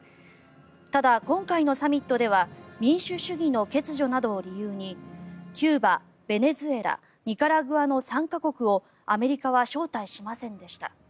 ただ今回のサミットでは民主主義の欠如などを理由にキューバ、ベネズエラニカラグアの３か国をアメリカは招待しませんでした。